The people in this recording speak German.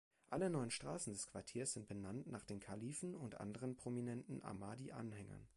Alle neun Straßen des Quartiers sind benannt nach den Kalifen und anderen prominenten Ahmadi-Anhängern.